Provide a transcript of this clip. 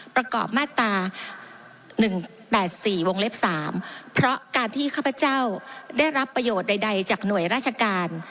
ประกอบมาตรา๑๘๔วงเล็บ๓เพราะการที่ข้าพเจ้าได้รับประโยชน์ใดจากหน่วยราชการ